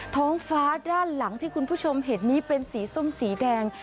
ท้องฟ้าด้านหลังที่คุณผู้ชมเห็นนี้เป็นสีส้มสีแดง